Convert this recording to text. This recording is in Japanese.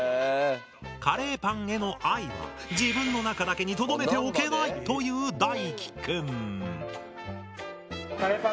カレーパンへの愛は自分の中だけにとどめておけないという大樹くん。